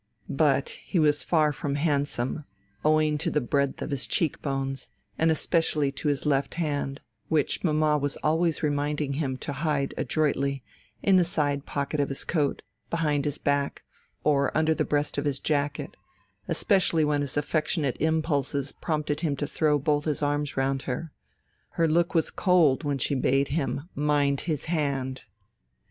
But he was far from handsome, owing to the breadth of his cheek bones, and especially to his left hand, which mamma was always reminding him to hide adroitly, in the side pocket of his coat, behind his back, or under the breast of his jacket especially when his affectionate impulses prompted him to throw both his arms round her. Her look was cold when she bade him mind his hand.